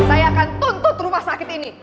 saya akan tuntut rumah sakit ini